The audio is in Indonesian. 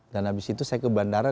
dan habis itu saya ke bandara